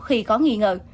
khi có nghi ngờ